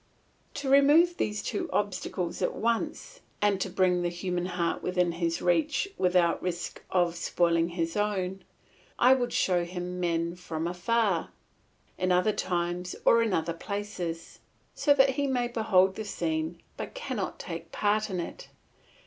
To remove these two obstacles at once, and to bring the human heart within his reach without risk of spoiling his own, I would show him men from afar, in other times or in other places, so that he may behold the scene but cannot take part in it.